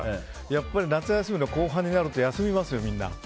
やっぱり夏休みの後半になると休みますよ。